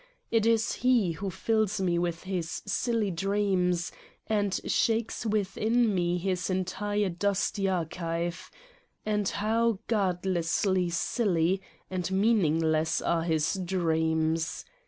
It is he who fills me with his silly dreams and shakes within me his entire dusty archive And how godlessly silly and meaningless are his dreams!